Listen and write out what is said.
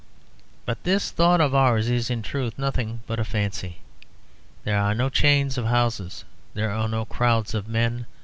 But this thought of ours is in truth nothing but a fancy. There are no chains of houses; there are no crowds of men.